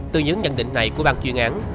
từ những nhận định này của bàn chuyên án